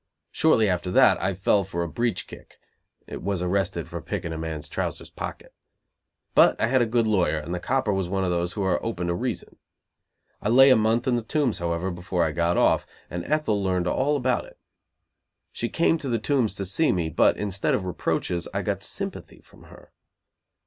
Shortly after that I fell for a breech kick (was arrested for picking a man's trouser's pocket), but I had a good lawyer and the copper was one of those who are open to reason. I lay a month in the Tombs, however, before I got off, and Ethel learned all about it. She came to the Tombs to see me, but, instead of reproaches, I got sympathy from her.